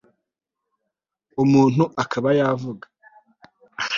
umuntu akaba yavuga